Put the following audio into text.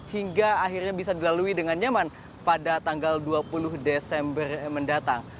hingga akhirnya bisa dilalui dengan nyaman pada tanggal dua puluh desember mendatang